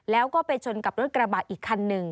แล้วก็ไปชนกับรถกระบะอีกคันหนึ่ง